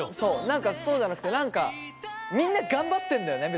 何かそうじゃなくて何かみんな頑張ってんだよね